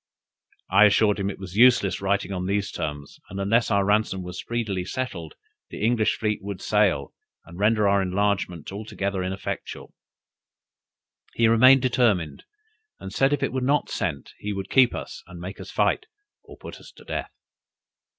I assured him it was useless writing on these terms, and unless our ransom was speedily settled, the English fleet would sail, and render our enlargement altogether ineffectual. He remained determined, and said if it were not sent, he would keep us, and make us fight, or put us to death.